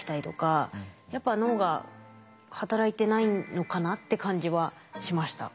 やっぱ脳が働いてないのかなって感じはしました。